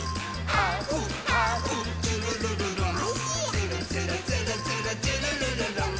「つるつるつるつるちゅるるるるん」